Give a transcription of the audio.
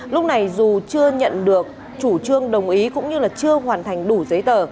lúc này dù chưa nhận được chủ trương đồng ý cũng như là chưa hoàn thành đủ giấy tờ